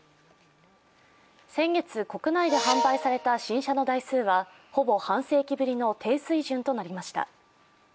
先月国内で販売された新車の台数はほぼ半世紀ぶりの低水準となりました。